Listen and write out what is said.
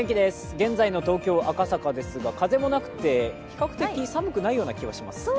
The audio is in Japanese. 現在の東京・赤坂ですが風もなくて比較的寒くないような気がします。